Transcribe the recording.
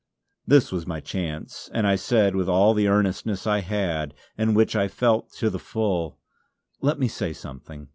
This was my chance and I said with all the earnestness I had, and which I felt to the full: "Let me say something.